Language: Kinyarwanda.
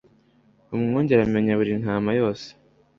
umwungeri amenya buri ntama yose.